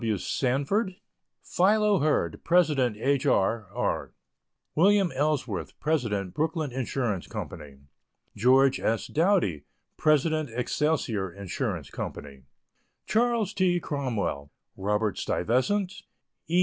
W. Sanford, Philo Hurd, President H. R. R.; Wm. Ellsworth, President Brooklyn Ins. Co.; George S. Doughty, President Excelsior Ins. Co.; Chas. T. Cromwell, Robert Stuyvesant, E.